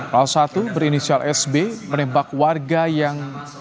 salah satu berinisial sb menembak warga yang